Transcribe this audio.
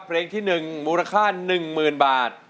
เพลงที่๑มูลค่า๑๐๐๐บาท